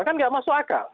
kan tidak masuk akal